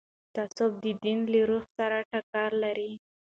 تعصب د دین له روح سره ټکر لري